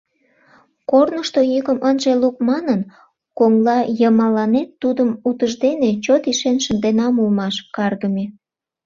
Корнышто йӱкым ынже лук манын, коҥла йымаланет тудым утыждене чот ишен шынденам улмаш, каргыме!